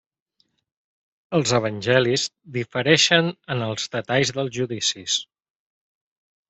Els evangelis difereixen en els detalls dels judicis.